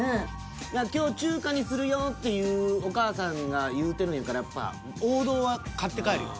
今日中華にするよってお母さんが言うてるんやからやっぱ王道は買って帰るよ。